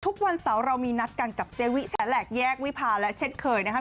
ทุกวันเสาร์เรามีนัดกันกับเจวิแฉแหลกแยกวิพาและเช่นเคยนะครับ